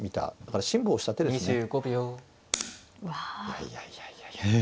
いやいやいやいや。